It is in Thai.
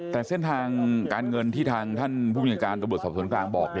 แต่เส้นทางการเงินที่ทางท่านผู้บริการตำรวจสอบสวนกลางบอก